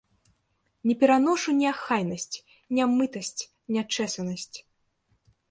Не пераношу неахайнасць, нямытасць, нячэсанасць.